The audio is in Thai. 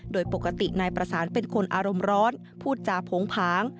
โดยปกตินายประสานเป็นคนอารมณ์ร้อนพูดจาโผงผาง